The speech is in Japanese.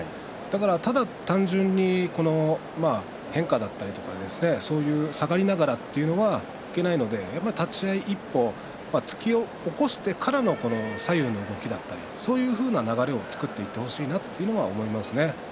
ただ単純に変化だったり下がりながらというのはいけないので立ち合い、一歩突き起こしてからの左右の動きだったりそういうふうな流れを作っていってほしいなと思いますね。